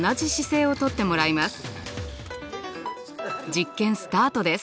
実験スタートです。